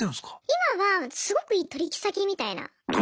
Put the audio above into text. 今はすごくいい取引先みたいな。